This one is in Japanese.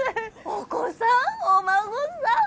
お子さんお孫さん